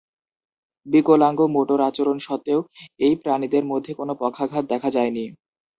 বিকলাঙ্গ মোটর আচরণ সত্ত্বেও, এই প্রাণীদের মধ্যে কোন পক্ষাঘাত দেখা যায়নি।